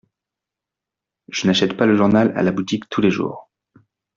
Je n’achète pas le journal à la boutique tous les jours.